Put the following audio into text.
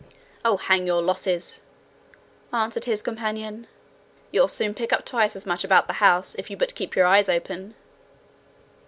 'Oh, hang your losses!' answered his companion; 'you'll soon pick up twice as much about the house, if you but keep your eyes open.'